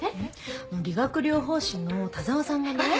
理学療法士の田沢さんがね。